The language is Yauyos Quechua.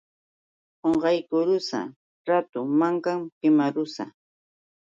Qunqaykurusa ratu mankan kimarusa.